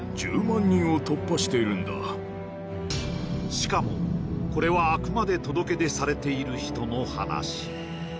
しかもこれはあくまで届け出されている人の話